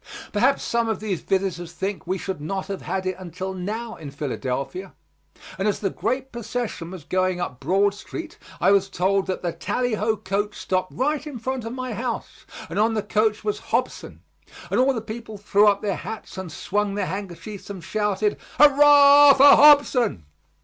Perhaps some of these visitors think we should not have had it until now in Philadelphia, and as the great procession was going up Broad street I was told that the tally ho coach stopped right in front of my house, and on the coach was Hobson, and all the people threw up their hats and swung their handkerchiefs, and shouted "Hurrah for Hobson!"